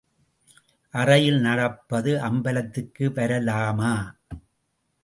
அறையில் நடப்பது அம்பலத்துக்கு வரலாமா?